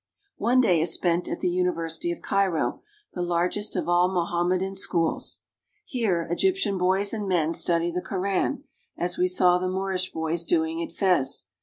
One day is spent at the University of Cairo, the largest of all Mohammedan schools. Here Egyptian boys and men study the Koran, as we saw the Moorish boys doing at Fez.